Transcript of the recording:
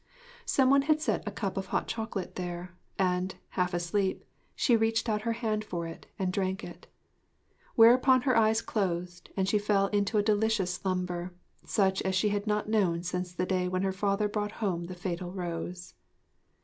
Some one had set a cup of hot chocolate there, and, half asleep, she reached out her hand for it and drank it; whereupon her eyes closed and she fell into a delicious slumber, such as she had not known since the day when her father brought home the fatal rose.